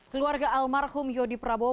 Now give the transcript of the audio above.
keluarga almarhum yodi prabowo